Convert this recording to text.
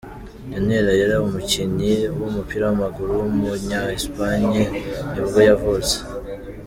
Daniel Ayala, umukinnyi w’umupira w’amaguru w’umunya Espagne nibwo yavutse.